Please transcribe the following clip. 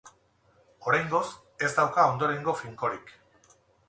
Oraingoz, ez dauka ondorengo finkorik.